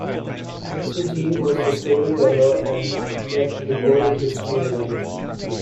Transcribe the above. Siggie was the story teller and kept the 'oral history' alive.